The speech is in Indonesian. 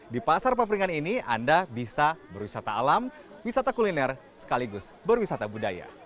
di pasar paperingan ini anda bisa berwisata alam wisata kuliner sekaligus berwisata budaya